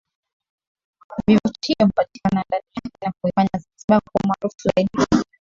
Vivutio hupatikana ndani yake na kuifanya Zanzibar kuwa maarufu zaidi Duniani